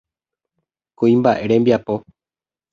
Kuimba'e rembiapo.